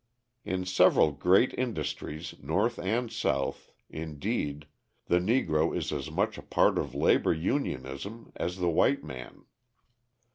In several great industries North and South, indeed, the Negro is as much a part of labour unionism as the white man.